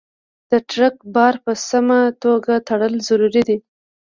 د ټرک بار په سمه توګه تړل ضروري دي.